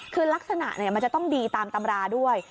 คือลักษณะมันจะต้องดีตามตำราด้วย